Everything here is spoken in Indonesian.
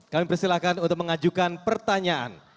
kami persilahkan untuk mengajukan pertanyaan